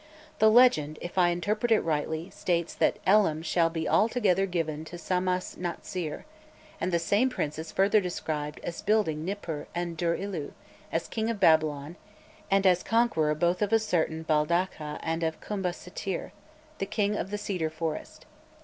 The legend, if I interpret it rightly, states that "Elam shall be altogether given to Samas natsir;" and the same prince is further described as building Nippur and Dur ilu, as King of Babylon and as conqueror both of a certain Baldakha and of Khumba sitir, "the king of the cedar forest."